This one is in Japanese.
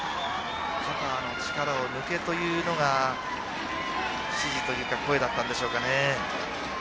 肩の力を抜けというのが指示というか声だったんでしょうかね。